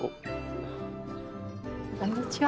こんにちは。